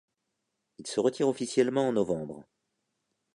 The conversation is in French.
Il se retire officiellement en novembre.